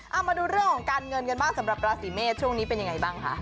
เอามาดูเรื่องของการเงินกันบ้างสำหรับราศีเมษช่วงนี้เป็นยังไงบ้างคะ